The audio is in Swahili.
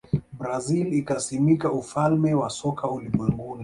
brazil ikasimika ufalme wa soka ulimwenguni